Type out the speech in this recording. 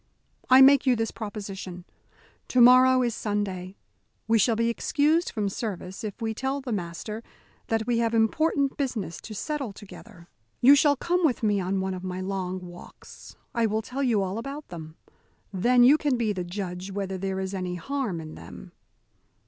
I make you this proposition. To morrow is Sunday. We shall be excused from service if we tell the master that we have important business to settle together. You shall come with me on one of my long walks. I will tell you all about them. Then you can be the judge whether there is any harm in them."